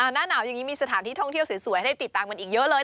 หน้าหนาวอย่างนี้มีสถานที่ท่องเที่ยวสวยให้ติดตามกันอีกเยอะเลย